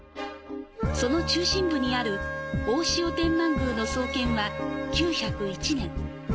その中心部にある大塩天満宮の創建は９０１年。